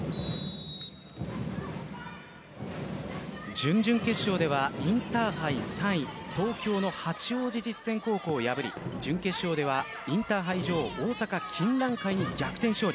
準々決勝ではインターハイ３位東京の八王子実践高校を破り準決勝ではインターハイ女王大阪・金蘭会に逆転勝利。